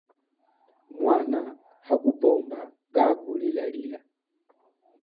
Mwana hakupomba kaku lilalila.